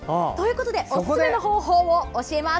おすすめの方法を教えます。